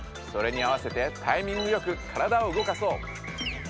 それにあわせてタイミングよくからだを動かそう。